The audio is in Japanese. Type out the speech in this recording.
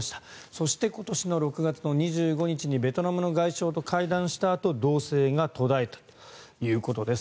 そして、今年の６月２５日にベトナムの外相と会談したあと動静が途絶えたということです。